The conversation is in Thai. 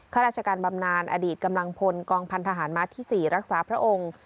ข้าราชการบำนานอดีตกำลังพลกองพันธหารมาที่๔รักษาพระองค์